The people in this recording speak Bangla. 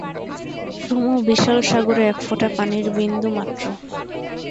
সুমো বিশাল সাগরে একফোঁটা পানির বিন্দু মাত্র।